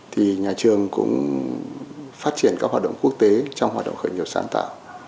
thì nhà trường cũng phát triển các hoạt động quốc tế trong hoạt động khởi nghiệp sáng tạo